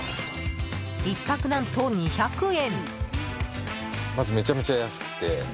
１泊、何と２００円。